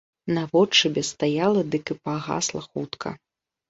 Наводшыбе стаяла дык і пагасла хутка.